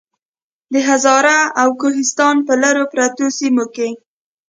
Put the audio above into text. د هزارې او کوهستان پۀ لرې پرتو سيمو کې